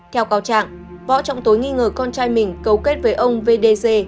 theo cáo trạng võ trọng tối nghi ngờ con trai mình cấu kết với ông vdc